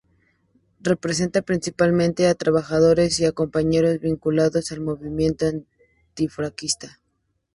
Representa principalmente a trabajadores y a compañeros vinculados al movimiento antifranquista.